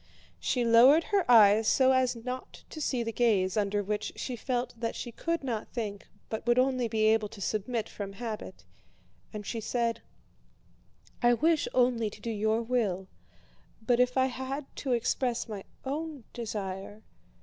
She lowered her eyes so as not to see the gaze under which she felt that she could not think, but would only be able to submit from habit, and she said: "I wish only to do your will, but if I had to express my own desire..."